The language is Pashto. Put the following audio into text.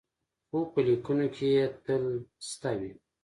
خو په لیکنو کې یې تل شته وي.